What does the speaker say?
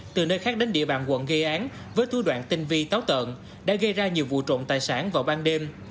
từ nơi khác đến địa bàn quận gây án với thú đoạn tinh vi táo tợn đã gây ra nhiều vụ trộm tài sản vào ban đêm